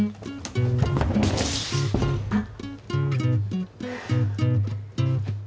あっ。